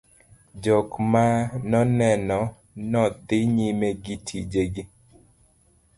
jok ma nonene nodhi nyime gi tije gi